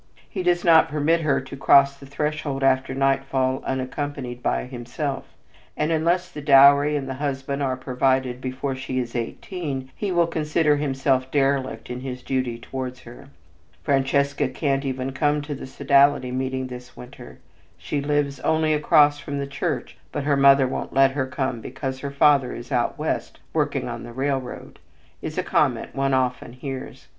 He does not permit her to cross the threshold after nightfall unaccompanied by himself, and unless the dowry and the husband are provided before she is eighteen he will consider himself derelict in his duty towards her. "Francesca can't even come to the Sodality meeting this winter. She lives only across from the church but her mother won't let her come because her father is out West working on a railroad," is a comment one often hears.